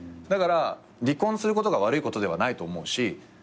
だから離婚することが悪いことではないと思うし。